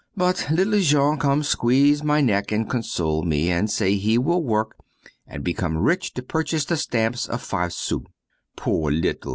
But little Jean come squeeze my neck and console me, and say he will work and become rich to purchase the stamps of five sous. Poor little!